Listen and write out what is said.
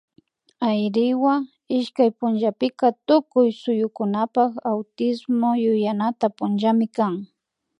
Ayriwa ishkay punllapika tukuy suyukunapak Autismo yuyanata punllami kan